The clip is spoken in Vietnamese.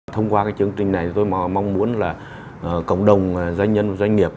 thông qua cái chương trình này tôi mong muốn là cộng đồng doanh nhân doanh nghiệp